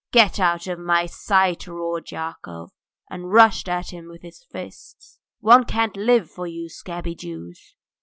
"Get out of my sight!" roared Yakov, and rushed at him with his fists. "One can't live for you scabby Jews!"